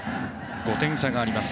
５点差があります。